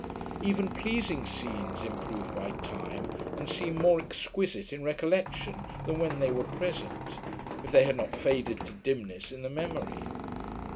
Even pleasing scenes improve by time, and seem more exquisite in recollection, than when they were present; if they have not faded to dimness in the memory.